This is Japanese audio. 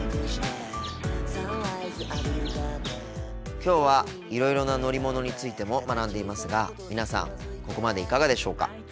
きょうはいろいろな乗り物についても学んでいますが皆さんここまでいかがでしょうか？